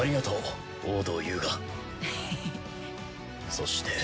そして。